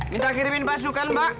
minta kirimin pasukan pak